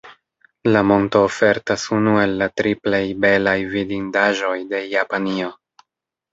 La monto ofertas unu el la tri plej belaj vidindaĵoj de Japanio.